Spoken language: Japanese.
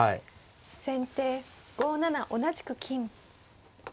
先手５七同じく金。